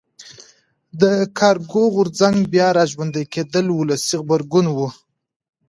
د کارګر غورځنګ بیا را ژوندي کېدل ولسي غبرګون و.